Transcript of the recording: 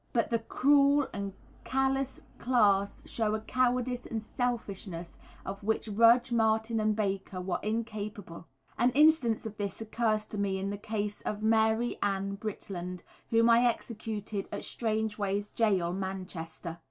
But the cruel and callous class show a cowardice and selfishness of which Rudge, Martin, and Baker were incapable. An instance of this occurs to me in the case of Mary Ann Britland, whom I executed at Strangeways Gaol, Manchester.